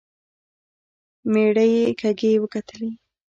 مېړه يې کږې وکتلې.